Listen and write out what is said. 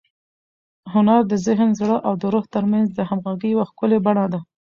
هنر د ذهن، زړه او روح تر منځ د همغږۍ یوه ښکلي بڼه ده.